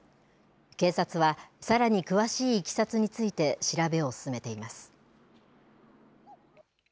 警察はさらに詳しいいきさつについて調べを進めています。